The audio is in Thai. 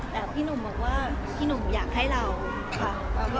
แต่พี่หนุ่มบอกว่าพี่หนุ่มอยากให้เราค่ะ